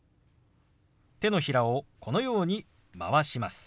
手のひらをこのように回します。